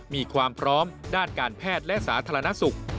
มีความพร้อมด้านการแพทย์และสาธารณสุข